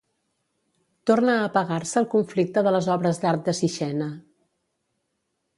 Torna a apagar-se el conflicte de les obres d'art de Sixena.